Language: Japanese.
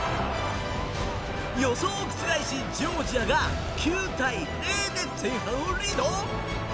予想を覆し、ジョージアが９対０で前半をリード。